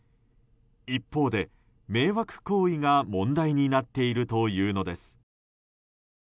一方で、迷惑行為が問題になっているというのです。